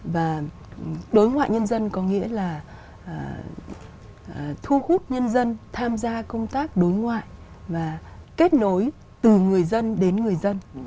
và đối ngoại nhân dân có nghĩa là thu hút nhân dân tham gia công tác đối ngoại và kết nối từ người dân đến người dân